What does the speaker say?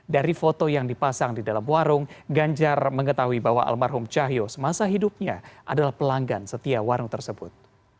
dari foto yang dipasang di dalam warung ganjar mengetahui bahwa almarhum cahyo semasa hidupnya adalah pelanggan setia warung tersebut